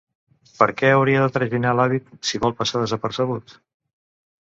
¿Per què hauria de traginar l'hàbit, si vol passar desapercebut?